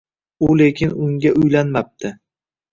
U lekin unga uylanmabdi.